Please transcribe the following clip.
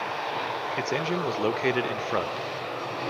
Its engine was located in front.